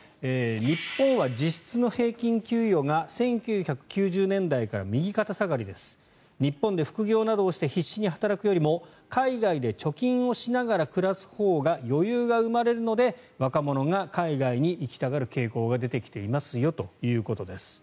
日本は実質の平均給与が１９９０年代から右肩下がりです日本で副業などをして必死に働くよりも海外で貯金をしながら暮らすほうが余裕が生まれるので若者が海外に行きたがる傾向が出てきていますよということです。